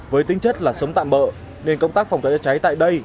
với tính chất là sống tạm bợ nên công tác phòng cháy cháy tại đây